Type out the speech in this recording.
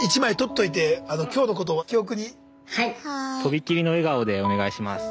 「とびきりの笑顔でお願いします。